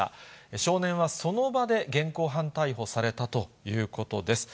少年はその場で現行犯逮捕されたということです。